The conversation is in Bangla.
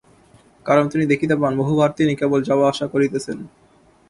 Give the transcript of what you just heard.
কারণ তিনি দেখিতে পান, বহুবার তিনি কেবল যাওয়া-আসা করিতেছেন।